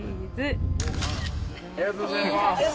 ありがとうございます。